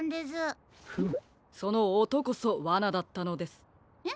フムそのおとこそワナだったのです。え？